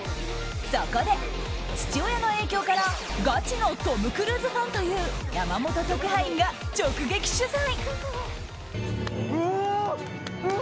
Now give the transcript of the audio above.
そこで、父親の影響からガチのトム・クルーズファンという山本特派員が直撃取材。